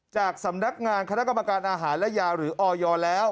จากสำนักงานคณะกรรมการอาหารและยาหรือออยแล้ว